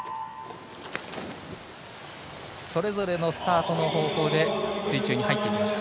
それぞれのスタートの方法で水中に入っていきました。